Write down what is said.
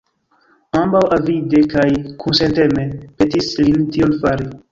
Ambaŭ avide kaj kunsenteme petis lin tion fari.